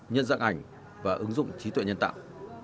nhân dạng ảnh và ứng dụng trí tuệ nhân tạo